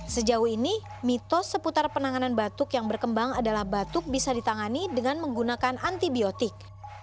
sejauh ini mitos seputar penanganan batuk yang berkembang adalah batuk bisa ditangani dengan menggunakan antibiotik